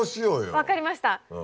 分かりました。